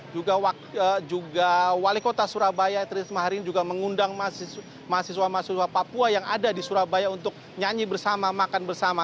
juga wali kota surabaya tririsma hari ini juga mengundang mahasiswa mahasiswa papua yang ada di surabaya untuk nyanyi bersama makan bersama